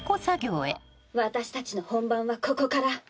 「私たちの本番はここから」